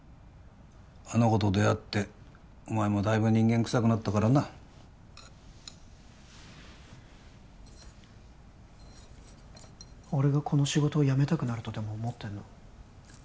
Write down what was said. あの子と出会ってお前もだいぶ人間くさくなったからな俺がこの仕事をやめたくなるとでも思ってんの？